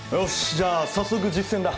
じゃあ早速実践だ！